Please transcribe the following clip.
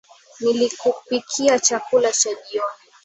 Nilikupikia chakula cha jioni